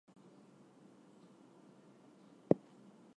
No time could be more suitable for the celebration of the Sacred Marriage.